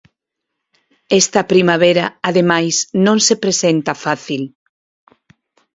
Esta primavera, ademais, non se presenta fácil.